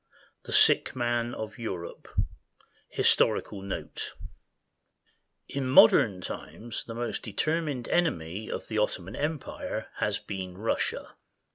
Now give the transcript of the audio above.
Ill THE SICK MAN OF EUROPE HISTORICAL NOTE In modern times the most determined enemy of the Otto man Empire has been Russia.